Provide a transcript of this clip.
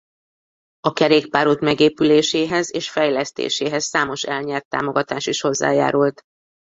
A kerékpárút megépüléséhez és fejlesztéséhez számos elnyert támogatás is hozzájárult.